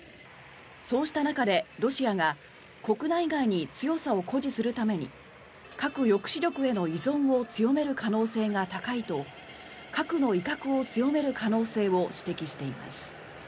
そうした中でロシアが国内外に強さを誇示するために核抑止力への依存を強める可能性が高いと核の威嚇を強める可能性を指摘しています。